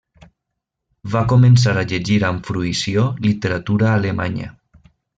Va començar a llegir amb fruïció literatura alemanya.